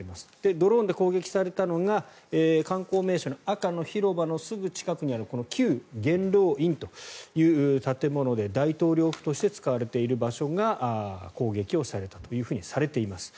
ドローンで攻撃されたのが観光名所の赤の広場のすぐ近くにあるこの旧元老院という建物で大統領府として使われている場所が攻撃をされたとされています。